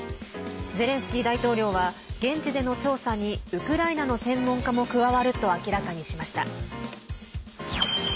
ゼレンスキー大統領は現地での調査にウクライナの専門家も加わると明らかにしました。